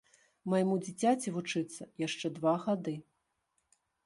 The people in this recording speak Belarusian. Майму дзіцяці вучыцца яшчэ два гады.